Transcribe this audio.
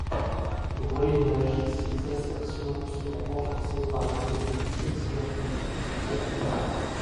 Au Moyen Âge, ces assertions seront renforcées par le mythe chrétien du juif errant.